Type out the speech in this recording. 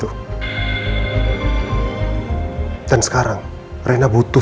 udah akan mendingft jauh lebih dengan baik lah